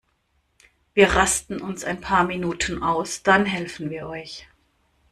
Wir rasten uns ein paar Minuten aus, dann helfen wir euch.